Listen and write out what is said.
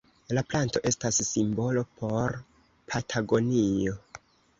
La planto estas simbolo por Patagonio.